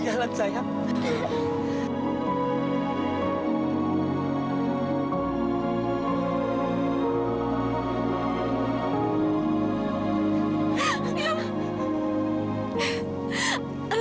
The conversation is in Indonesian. kamu bisa jalan